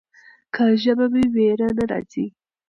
که ژبه وي ویره نه راځي.